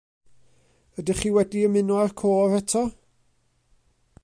Ydych chi wedi ymuno â'r côr eto.